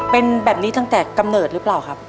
เป็นแบบนี้ตั้งแต่กำเนิดหรือเปล่าครับ